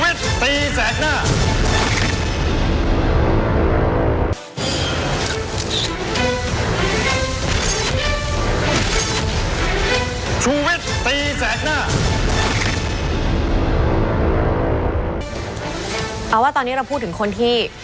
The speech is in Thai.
เอาว่าตอนนี้เราพูดถึงคนที่